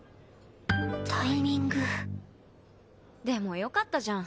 タイミングでもよかったじゃん